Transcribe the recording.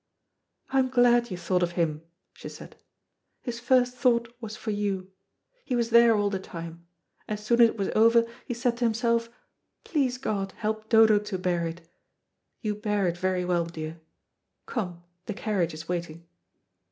"I am glad you thought of him," she said. "His first thought was for you. He was there all the time. As soon as it was over he said to himself, 'Please, God, help Dodo to bear it.' You bear it very well, dear. Come, the carriage is waiting."